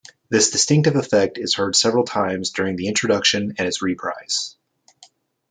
This distinctive effect is heard several times during the introduction and its reprise.